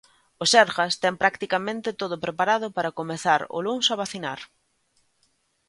O Sergas ten practicamente todo preparado para comezar o luns a vacinar.